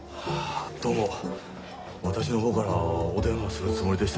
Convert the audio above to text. どうも私の方からお電話するつもりでしたのに。